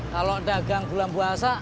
kalau dagang gulam puasa